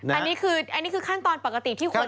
อันนี้คือขั้นตอนปกติที่ควรจะเป็น